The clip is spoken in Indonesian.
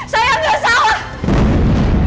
saya gak salah